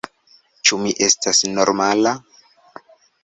Ĉu mi estas normala?